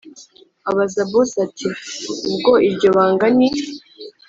abaza bosi ati”ubwo iryo banga ni